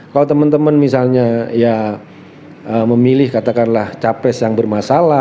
kalau teman teman misalnya ya memilih katakanlah capres yang bermasalah